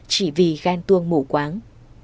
chỉ vì ghen tuông mù quáng